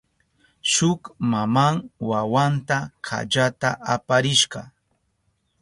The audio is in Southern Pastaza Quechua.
Shuk maman wawanta kallata aparishka.